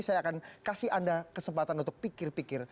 saya akan kasih anda kesempatan untuk pikir pikir